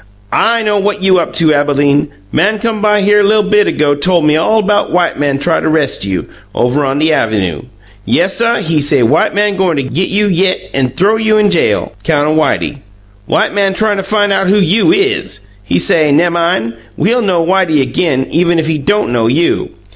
I know what YOU up to, Abalene. Man come by here li'l bit ago tole me all 'bout white man try to 'rest you, ovah on the avvynoo. Yessuh; he say white man goin' to git you yit an' th'ow you in jail 'count o' Whitey. White man tryin' to fine out who you IS. He say, nemmine, he'll know Whitey ag'in, even if he don' know you!